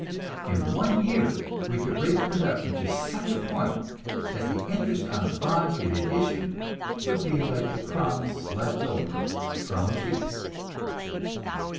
In one year we could raise production to such a point that the interest on the bonds we had issued would be like the crumbs left over from a feast.